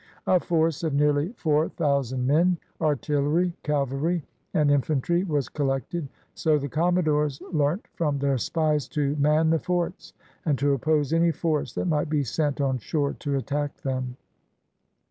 A force of nearly four thousand men, artillery, cavalry, and infantry, was collected, so the commodores learnt from their spies, to man the forts, and to oppose any force that might be sent on shore to attack them.